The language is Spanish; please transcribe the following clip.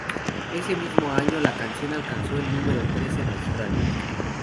Ese mismo año, la canción alcanzó el número tres en Australia.